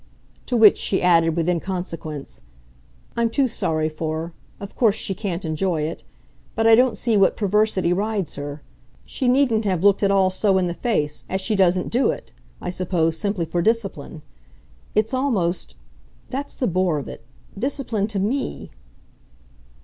To which she added with inconsequence: "I'm too sorry for her of course she can't enjoy it. But I don't see what perversity rides her. She needn't have looked it all so in the face as she doesn't do it, I suppose, simply for discipline. It's almost that's the bore of it discipline to ME."